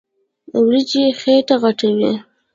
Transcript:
وريجې خيټه غټوي.